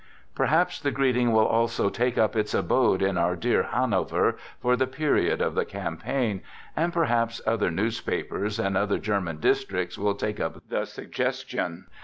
Perhaps the greeting will also take up its abode in our dear Hanover for the period of the campaign, and perhaps other newspapers and other German districts will take up the suggestion.